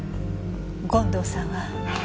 権藤さんは。